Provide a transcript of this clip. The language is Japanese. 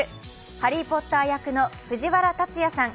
ハリー・ポッター役の藤原竜也さん